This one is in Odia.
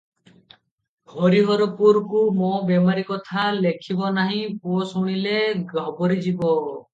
ହରିହରପୁରକୁ ମୋ ବେମାରି କଥା ଲେଖିବ ନାହିଁ, ପୁଅ ଶୁଣିଲେ ଘାବରିଯିବ ।"